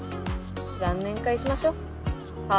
残念会しましょぱっと。